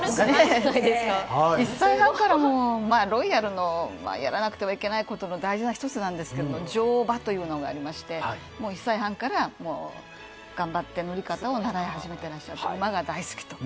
１歳半から、ロイヤルのやらなくてはいけない大事な１つなんですけど乗馬というのがありましてもう１歳半から頑張って乗り方を習い始めていらっしゃいって馬が大好きと。